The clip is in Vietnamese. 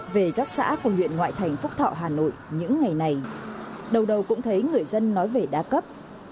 về các xã của huyện ngoại thành phúc thọ hà nội những ngày này đầu đầu cũng thấy người dân nói về đa cấp